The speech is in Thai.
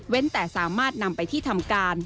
แต่สามารถนำไปที่ทำการ